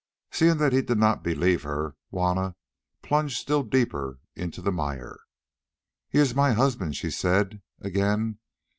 Seeing that he did not believe her, Juanna plunged still deeper into the mire. "He is my husband," she said again.